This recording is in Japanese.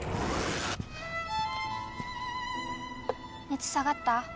熱下がった？